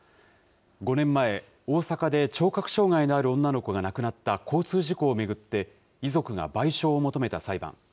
５年前、大阪で聴覚障害のある女の子が亡くなった交通事故を巡って、遺族が賠償を求めた裁判。